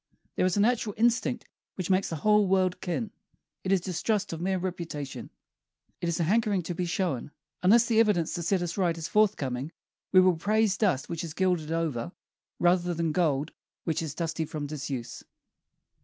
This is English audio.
There is a natural instinct which makes the whole world kin. It is distrust of a mere reputation. It is a hankering to be shown. Unless the evidence to set us right is forthcoming, we will praise dust which is gilded over rather than gold which is dusty from disuse.